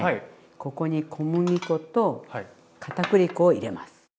ここに小麦粉とかたくり粉を入れます。